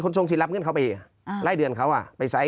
คนทรงสินรับเงินเขาไปอ่าไร่เดือนเขาอ่ะไปไส้